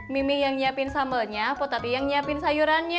mimi yang nyiapin sambelnya po tati yang nyiapin sayurannya